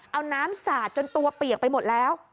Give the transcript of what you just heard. เอาน้ำสาดจนตัวเปียกไปหมดแล้ว